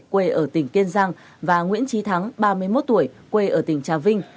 quê ở tỉnh kiên giang và nguyễn trí thắng ba mươi một tuổi quê ở tỉnh trà vinh